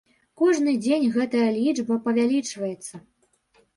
Кожны дзень гэтая лічба павялічваецца.